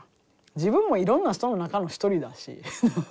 自分もいろんな人の中の一人だし。